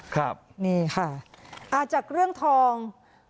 ครับนี่ค่ะจากเรื่องทอง